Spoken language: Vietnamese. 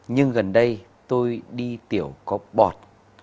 nhưng gần đây tôi đi tiểu có bọt